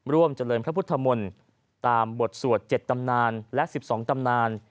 เจริญพระพุทธมนต์ตามบทสวด๗ตำนานและ๑๒ตำนาน